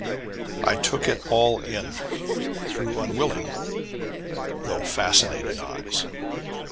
I took it all in, through unwilling, though fascinated eyes.